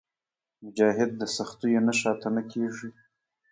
مجاهد د سختیو نه شاته نه کېږي.